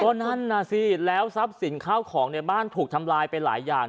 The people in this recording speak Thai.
ก็นั่นน่ะสิแล้วทรัพย์สินข้าวของในบ้านถูกทำลายไปหลายอย่าง